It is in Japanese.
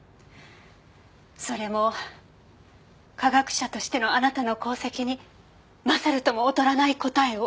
それも科学者としてのあなたの功績に勝るとも劣らない答えを。